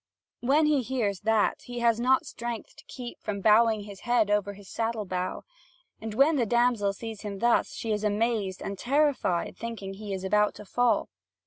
When he hears that, he has not strength to keep from bowing his head over his saddle bow. And when the damsel sees him thus, she is amazed and terrified, thinking he is about to fall.